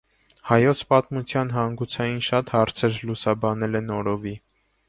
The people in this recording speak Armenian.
Հայոց պատմության հանգուցային շատ հարցեր լուսաբանել է նորովի։